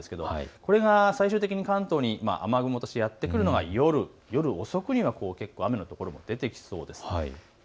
これが最終的に雨雲としてやって来るのが夜遅く、雨のところも出てきそうです。